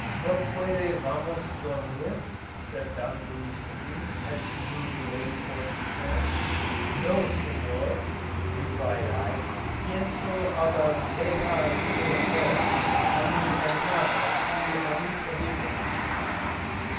"¿No puede Vm. dormir?" said Don Luis to me, as he moved away towards the tent. "No, Senor," replied I. "Pienso a la veja Ingleterra; a mi Hermano y a mis amigos."